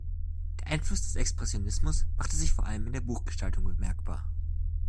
Der Einfluss des Expressionismus machte sich vor allem in der Buchgestaltung bemerkbar.